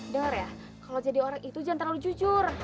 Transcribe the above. dor ya kalau jadi orang itu jangan terlalu jujur